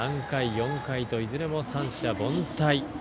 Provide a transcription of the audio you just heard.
３回４回といずれも三者凡退。